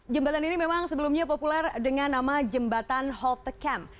jembatan ini memang sebelumnya populer dengan nama jembatan holtekamp